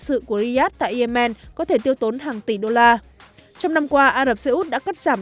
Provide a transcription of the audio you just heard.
sự của riyadh tại yemen có thể tiêu tốn hàng tỷ đô la trong năm qua ả rập xê út đã cắt giảm